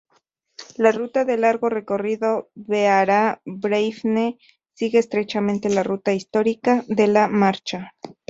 La ruta de largo recorrido Beara-Breifne sigue estrechamente la ruta histórica de la marcha.